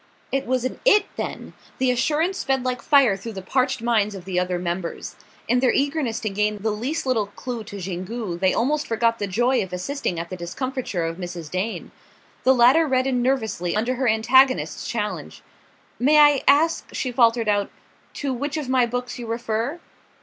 It was an it, then the assurance sped like fire through the parched minds of the other members. In their eagerness to gain the least little clue to Xingu they almost forgot the joy of assisting at the discomfiture of Mrs. Dane. The latter reddened nervously under her antagonist's challenge. "May I ask," she faltered out, "to which of my books you refer?"